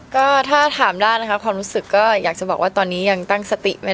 คิดว่าเราจะได้มาถึงจุดมั้ย